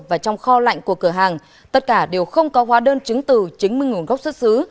và trong kho lạnh của cửa hàng tất cả đều không có hóa đơn chứng từ chứng minh nguồn gốc xuất xứ